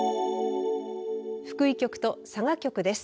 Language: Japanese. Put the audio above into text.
福井局と佐賀局です。